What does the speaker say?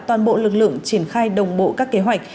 toàn bộ lực lượng triển khai đồng bộ các kế hoạch